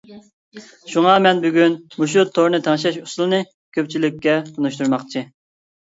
شۇڭا مەن بۈگۈن مۇشۇ تورنى تەڭشەش ئۇسۇلىنى كۆپچىلىككە تونۇشتۇرماقچى.